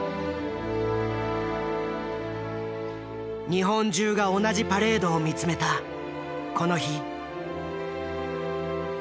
日本中が同じパレードを見つめたこの日。